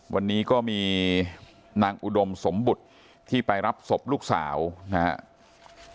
วันนี้ก็มีนางอุดมสมบุตรที่ไปรับศพลูกสาวนะครับ